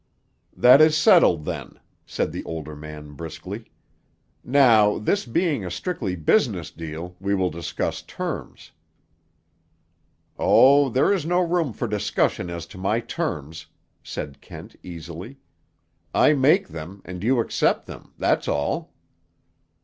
"That is settled, then," said the older man briskly. "Now, this being a strictly business deal, we will discuss terms." "Oh, there is no room for discussion as to my terms," said Kent easily. "I make them and you accept them, that's all."